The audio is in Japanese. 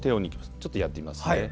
ちょっとやってみますね。